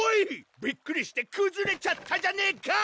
びっくりしてくずれちゃったじゃねぇか！